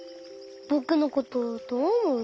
ぼくのことどうおもう？